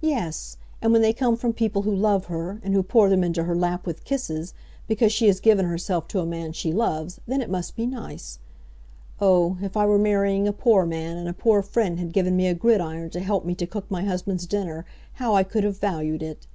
"Yes; and when they come from people who love her, and who pour them into her lap with kisses, because she has given herself to a man she loves, then it must be nice. Oh, if I were marrying a poor man, and a poor friend had given me a gridiron to help me to cook my husband's dinner, how I could have valued it!"